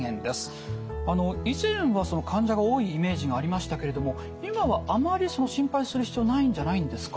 以前は患者が多いイメージがありましたけれども今はあまり心配する必要ないんじゃないんですか？